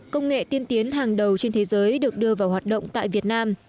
công nghệ tiên tiến hàng đầu trên thế giới được đưa vào hoạt động tại việt nam